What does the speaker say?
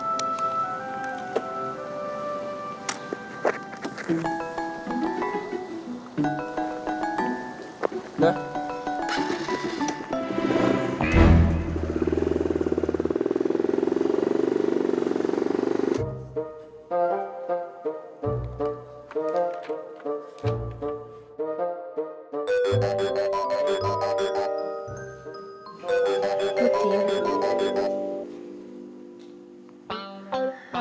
nah bunlar lucu ya kan tujuh puluh lima rencana